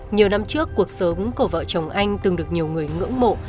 nhiều năm trước cuộc sống của vợ chồng anh từng được nhiều người ngưỡng mộ